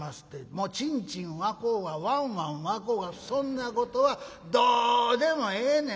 もうちんちん沸こうがわんわん沸こうがそんなことはどうでもええねんな。